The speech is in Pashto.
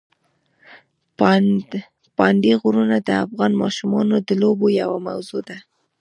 پابندي غرونه د افغان ماشومانو د لوبو یوه موضوع ده.